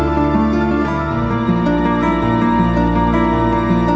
lo depan yang gila ya